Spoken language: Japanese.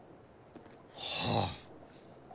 はあ。